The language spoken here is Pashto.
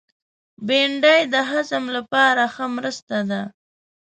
بېنډۍ د هضم لپاره ښه مرسته ده